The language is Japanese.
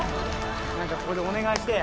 何かここでお願いして。